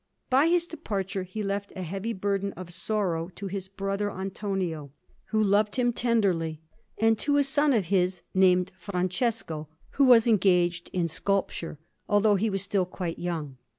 By his departure he left a heavy burden of sorrow to his brother Antonio, who loved him tenderly, and to a son of his own named Francesco, who was engaged in sculpture, although he was still quite young.